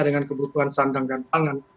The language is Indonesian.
dengan kebutuhan sandang dan pangan